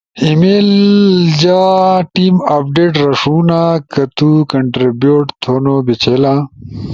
ای میل جا ٹیم اپڈیٹ رݜونا۔ کہ و کنٹربیوٹ تھونو بیچھیلا،